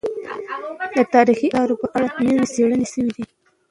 د تاريخي اثارو په اړه نوې څېړنې شوې دي.